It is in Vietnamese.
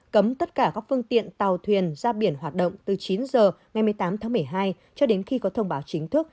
cấm tất cả các phương tiện tàu thuyền ra biển hoạt động từ chín h ngày một mươi tám tháng một mươi hai cho đến khi có thông báo chính thức